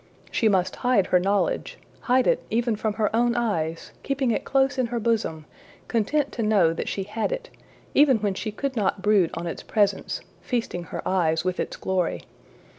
She must hide her knowledge hide it even from her own eyes, keeping it close in her bosom, content to know that she had it, even when she could not brood on its presence, feasting her eyes with its glory.